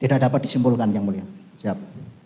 tidak dapat disimpulkan yang mulia siap